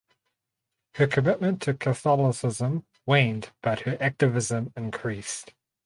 Her commitment to Catholicism waned but her activism increased.